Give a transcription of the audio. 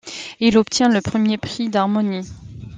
Il obtient le premier prix d'harmonie.